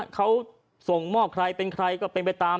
เขาส่งมอบใครเป็นใครก็เป็นไปตาม